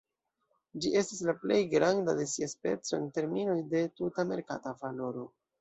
Ĝi estas la plej granda de sia speco en terminoj de tuta merkata valoro.